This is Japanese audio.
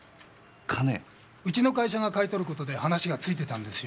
うちの会社が買い取る事で話がついてたんですよ